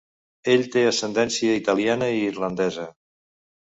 Ell té ascendència italiana i irlandesa.